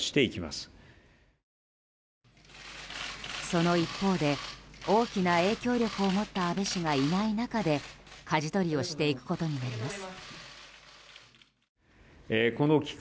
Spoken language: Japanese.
その一方で、大きな影響力を持った安倍氏がいない中でかじ取りをしていくことになります。